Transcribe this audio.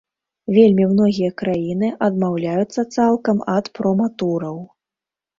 Вельмі многія краіны адмаўляюцца цалкам ад проматураў.